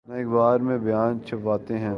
نہ اخبار میں بیان چھپواتے ہیں۔